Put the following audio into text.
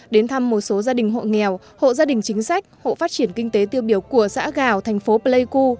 đến thăm một số gia đình hộ nghèo hộ gia đình chính sách hộ phát triển kinh tế tiêu biểu của xã gào thành phố pleiku